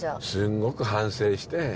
すんごく反省して。